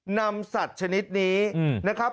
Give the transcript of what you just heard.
นำสัตว์ชนิดนี้นะครับ